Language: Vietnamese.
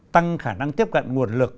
tăng khả năng tiếp cận nguồn lực